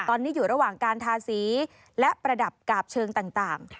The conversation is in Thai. ตอนนี้อยู่ระหว่างการทาสีและประดับกาบเชิงต่าง